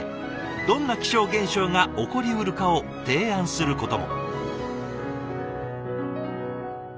どんな気象現象が起こりうるかを提案することも。